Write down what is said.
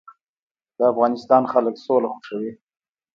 د افغانستان خلک سوله خوښوي